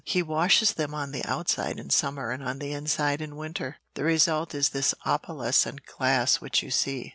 He washes them on the outside in summer and on the inside in winter. The result is this opalescent glass which you see.